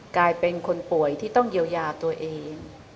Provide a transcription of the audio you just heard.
กลายเป็นคนป่วยที่ต้องเยียวยาตัวเอง